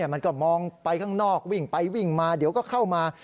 มันก็มองไปข้างนอกวิ่งไปวิ่งมาเดี๋ยวก็เข้ามา